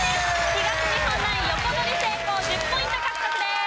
東日本ナイン横取り成功１０ポイント獲得です。